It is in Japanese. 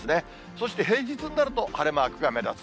そして平日になると晴れマークが目立つ。